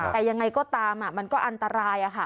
แต่ยังไงก็ตามมันก็อันตราย